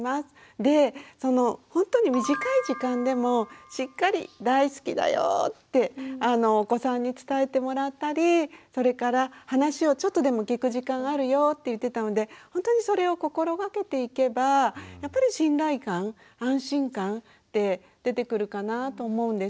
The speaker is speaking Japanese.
でそのほんとに短い時間でもしっかり「大好きだよ」ってお子さんに伝えてもらったりそれから話をちょっとでも聞く時間あるよって言ってたのでほんとにそれを心がけていけばやっぱり信頼感安心感って出てくるかなと思うんです。